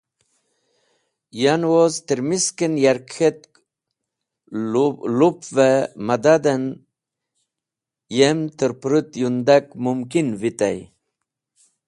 Yanwoz ter misken yark k̃hetk lupove madaden yem terpurut yundak mumkin vitey.